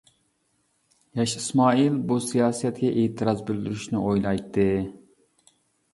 ياش ئىسمائىل بۇ سىياسەتكە ئېتىراز بىلدۈرۈشنى ئويلايتتى.